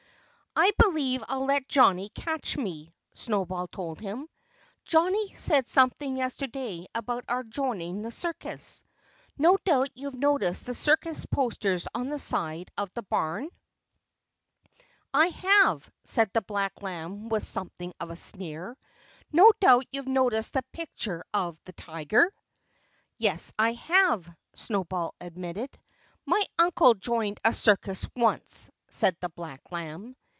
"I believe I'll let Johnnie catch me," Snowball told him. "Johnnie said something yesterday about our joining the circus. No doubt you've noticed the circus posters on the side of the barn?" "I have," said the black lamb with something like a sneer. "No doubt you've noticed the picture of the tiger?" "Yes, I have," Snowball admitted. "My uncle joined a circus once," said the black lamb.